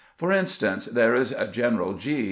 For instance, there is General G